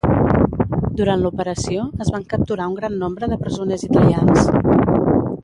Durant l'operació, es van capturar un gran nombre de presoners italians.